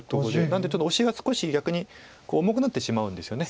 なのでちょっとオシが少し逆に重くなってしまうんですよね。